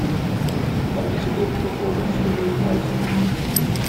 That makes it difficult to eventually raise prices.